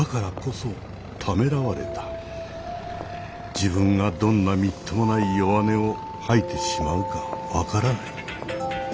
自分がどんなみっともない弱音を吐いてしまうか分からない。